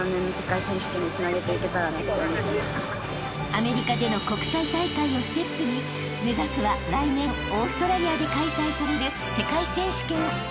［アメリカでの国際大会をステップに目指すは来年オーストラリアで開催される世界選手権］